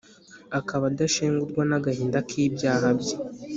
akaba adashengurwa n’agahinda k’ibyaha bye!